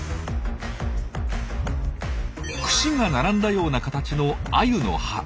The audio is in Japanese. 櫛が並んだような形のアユの歯。